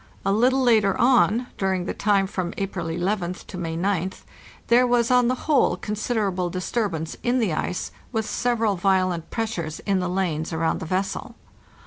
A little later on, during the time from April 11th to May goth, there was on the whole considerable disturbance in the ice, with several Niolent pressures in the lanes around the vessel.